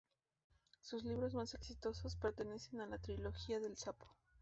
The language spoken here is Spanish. Sus libros más exitosos pertenecen a la trilogía del Sapo.